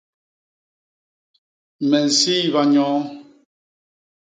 Me nsiiba nyoo.